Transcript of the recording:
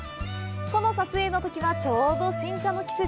この撮影の時は、ちょうど新茶の季節。